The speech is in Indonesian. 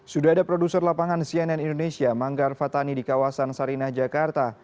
sudah ada produser lapangan cnn indonesia manggar fatani di kawasan sarinah jakarta